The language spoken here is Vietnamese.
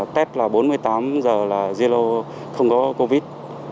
tép là bốn mươi tám giờ là zero không có covid